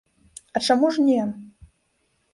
А чаму ж не?